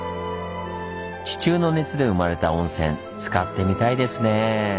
地中の熱で生まれた温泉つかってみたいですね。